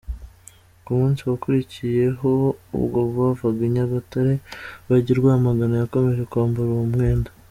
Ku munsi wakurikiyeho ubwo bavaga i Nyagatare bajya i Rwamagana yakomeje kwambara uwo mwenda.